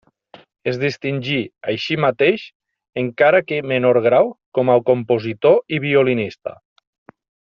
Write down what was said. Es distingí així mateix, encara que menor grau, com a compositor i violinista.